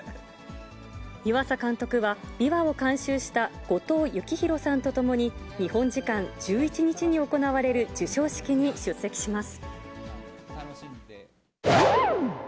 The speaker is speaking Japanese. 湯浅監督は、琵琶を監修した後藤幸浩さんと共に、日本時間１１日に行われる授賞式に出席します。